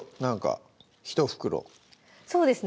１袋そうですね